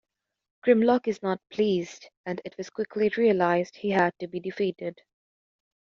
Grimlock is not pleased, and it was quickly realized he had to be defeated.